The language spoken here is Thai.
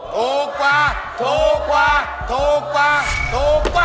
ถูกกว่าถูกกว่าถูกกว่าถูกกว่า